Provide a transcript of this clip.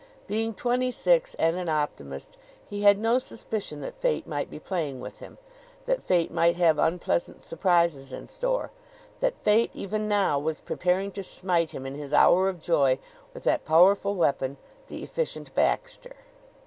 Being twenty six and an optimist, he had no suspicion that Fate might be playing with him; that Fate might have unpleasant surprises in store; that Fate even now was preparing to smite him in his hour of joy with that powerful weapon, the Efficient Baxter.